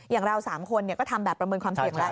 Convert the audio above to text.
อย่างเรา๓คนก็ทำแบบประเมินความเสี่ยงแล้ว